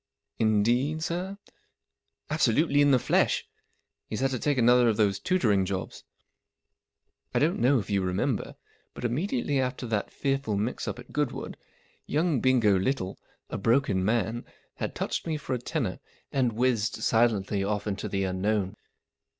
41 Indeed, sir ?"" Absolutely in the flesh, Hc T s had to take another of those tutoring jobs/' I don't know if you remember, but Copyright, by immediately after that fearful mix up at Goodwood, young Bingo Little, a broken man, had touched me for a tenner and whizzed silently off into the unknown.